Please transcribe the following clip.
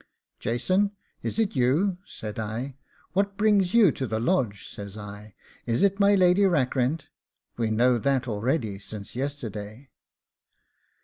'Jason, is it you?' said I; 'what brings you to the Lodge?' says I. 'Is it my Lady Rackrent? We know that already since yesterday.